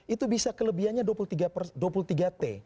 itu bisa kelebihannya dua puluh tiga t